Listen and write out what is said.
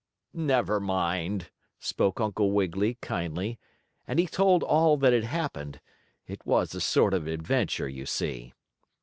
"Never mind," spoke Uncle Wiggily, kindly, and he told all that had happened. It was a sort of adventure, you see.